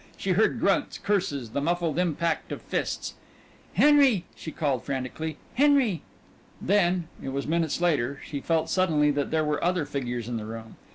She heard grunts, curses, the muffled impact of fists. "Henry!" she called frantically, "Henry!" Then, it was minutes later, she felt suddenly that there were other figures in the room.